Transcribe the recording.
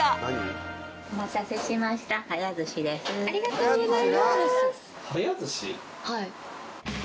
ありがとうございます！